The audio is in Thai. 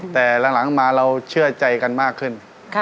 แต่หลังมาเราเชื่อใจกันมากขึ้น